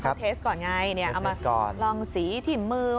ทีแรกเขาเทสก่อนไงเอามาลองสีทิมมือ